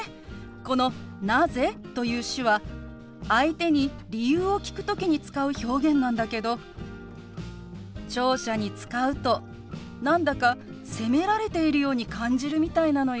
この「なぜ？」という手話相手に理由を聞く時に使う表現なんだけど聴者に使うと何だか責められているように感じるみたいなのよ。